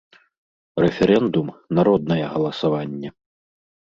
РЭФЕРЭНДУМ - НАРОДНАЕ ГАЛАСАВАННЕ.